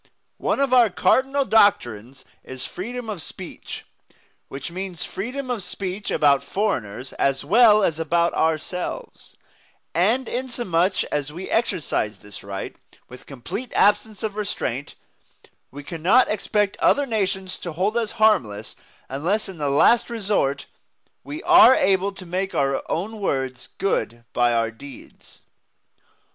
One of our cardinal doctrines is freedom of speech, which means freedom of speech about foreigners as well as about ourselves; and, inasmuch as we exercise this right with complete absence of restraint, we cannot expect other nations to hold us harmless unless in the last resort we are able to make our own words good by our deeds.